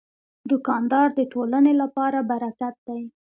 دوکاندار د ټولنې لپاره برکت دی.